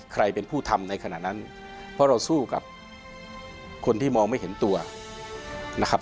ใครเป็นผู้ทำในขณะนั้นเพราะเราสู้กับคนที่มองไม่เห็นตัวนะครับ